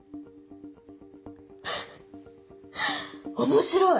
面白い。